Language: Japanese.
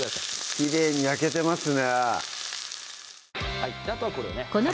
きれいに焼けてますね